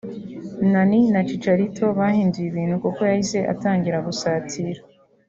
Nani na Chicharito bahinduye ibintu kuko yahise itangira gusatira